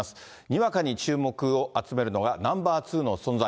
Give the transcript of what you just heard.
にわかに注目を集めるのがナンバー２の存在。